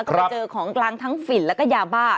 ก็ไปเจอของกลางทั้งฝิ่นแล้วก็ยาบ้า